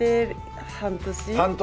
半年。